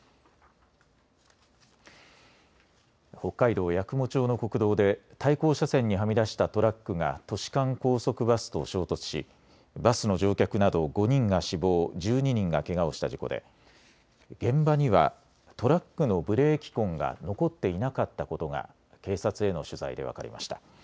北海道八雲町の国道で対向車線にはみ出したトラックが都市間高速バスと衝突しバスの乗客など５人が死亡、１２人がけがをした事故で現場にはトラックのブレーキ痕が残っていなかったことが警察への取材で分かりました。